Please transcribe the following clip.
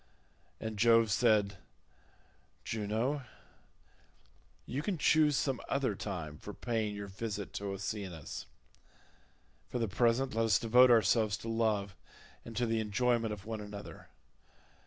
And Jove said, "Juno, you can choose some other time for paying your visit to Oceanus—for the present let us devote ourselves to love and to the enjoyment of one another.